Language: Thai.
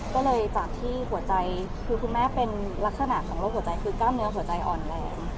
ก็เลยจากที่หัวใจคือคุณแม่เป็นลักษณะของโรคหัวใจคือกล้ามเนื้อหัวใจอ่อนแรง